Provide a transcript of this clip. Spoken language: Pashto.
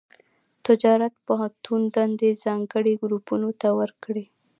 تجارت پوهنتون دندې ځانګړي ګروپونو ته ورکړي.